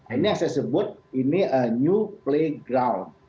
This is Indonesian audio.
ini yang saya sebut ini a new playground